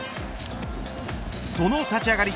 その立ち上がり